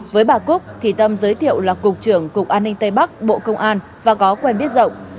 với bà cúc thì tâm giới thiệu là cục trưởng cục an ninh tây bắc bộ công an và có quen biết rộng